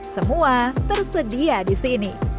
semua tersedia di sini